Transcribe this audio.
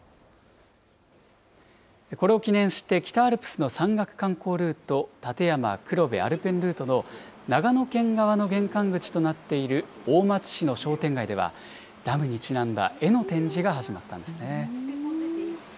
これを記念して、北アルプスの山岳観光ルート、立山黒部アルペンルートの長野県側の玄関口となっている大町市の商店街では、ダムにちなんだ絵の展示が始まったんですね。